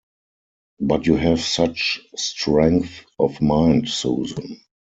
But you have such strength of mind, Susan.